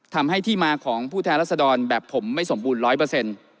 ทำให้ที่มาของผู้แท้รัศดรแบบผมไม่สมบูรณ์๑๐๐